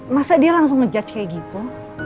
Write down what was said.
masa dia langsung ngejudge kayak gitu